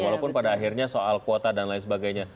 walaupun pada akhirnya soal kuota dan lain sebagainya